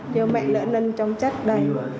điều mẹ lỡ nâng trong chất đây